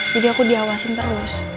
jadi aku diawasin terus